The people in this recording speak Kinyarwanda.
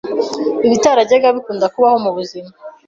ibitarajyaga bikunda kubaho mubuzima